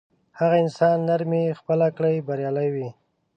هغه انسان نرمي خپله کړي بریالی وي.